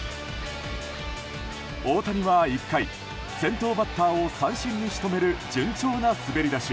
大谷は１回先頭バッターを三振に仕留める順調な滑り出し。